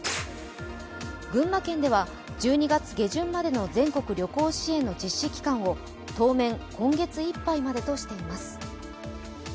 群馬県では１２月下旬までの全国旅行支援の実施期間を当面、今月いっぱいまでとしています。